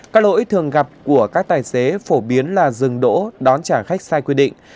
các lỗi thường gặp của các tài xế phổ biến là dừng đỗ đón trả khách sai quy định